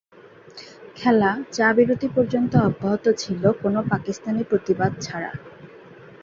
খেলা, চা বিরতি পর্যন্ত অব্যাহত ছিলো কোনো পাকিস্তানি প্রতিবাদ ছাড়া।